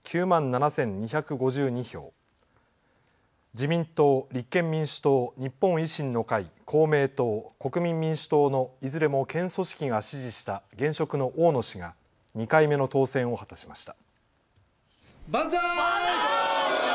自民党、立憲民主党、日本維新の会、公明党、国民民主党のいずれも県組織が支持した現職の大野氏が２回目の当選を果たしました。